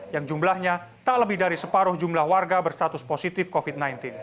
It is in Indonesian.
yang jumlahnya tak lebih dari separuh jumlah warga berstatus positif covid sembilan belas